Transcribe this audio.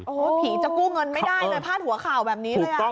โหผีจะกู้เงินไม่ได้ผ้าถั่วข่าวแบบนี้หรือยัง